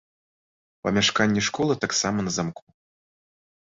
Памяшканне школы таксама на замку.